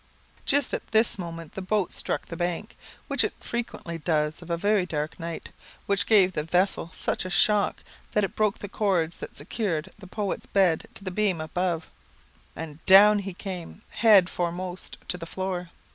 Just at this moment the boat struck the bank, which it frequently does of a very dark night, which gave the vessel such a shock, that it broke the cords that secured the poet's bed to the beam above, and down he came, head foremost, to the floor.